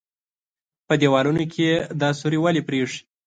_په دېوالونو کې يې دا سوري ولې پرېښي دي؟